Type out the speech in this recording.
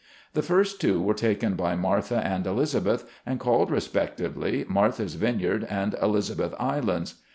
The first two were taken by Martha and Elizabeth, and called respectively, Martha's Vineyard, and Eliza beth Islands.